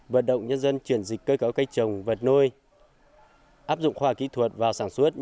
vận động nhân dân chuyển dịch cơ cấu cây trồng vật nuôi áp dụng khoa học kỹ thuật vào sản xuất